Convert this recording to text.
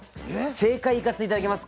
正解いかせて頂きます。